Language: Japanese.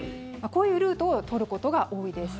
こういうルートを取ることが多いです。